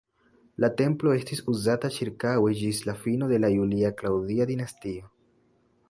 La templo estis uzata ĉirkaŭe ĝis la fino de la Julia-Klaŭdia dinastio.